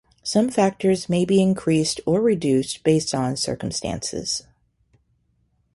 Some factors may be increased or reduced based on circumstances.